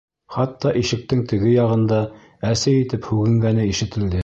Хатта ишектең теге яғында әсе итеп һүгенгәне ишетелде.